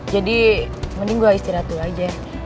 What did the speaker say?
jadi mending gue istirahat dulu aja